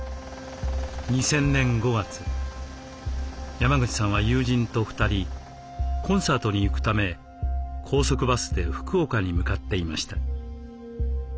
山口さんは友人と２人コンサートに行くため高速バスで福岡に向かっていました。